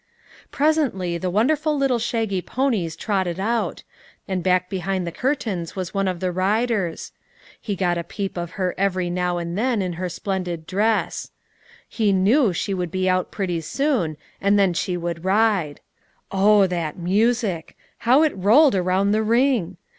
Presently the wonderful little shaggy ponies trotted out; and back behind the curtains was one of the riders; he got a peep of her every now and then in her splendid dress; he knew she would be out pretty soon, and then she would ride. Oh, that music! how it rolled around the ring!